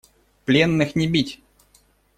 Пленных не бить!